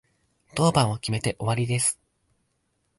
当番を決めて終わりです。